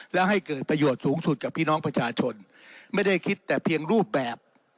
แล้วให้เกิดประโยชน์สูงสุดจากพี่น้องประชาชนไม่ได้คิดแต่เพียงรูปแบบ